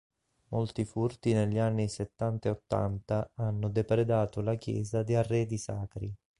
Molti furti negli anni settanta e ottanta hanno depredato la chiesa di arredi sacri.